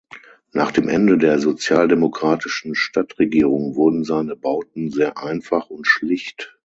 Nach dem Ende der sozialdemokratischen Stadtregierung wurden seine Bauten sehr einfach und schlicht.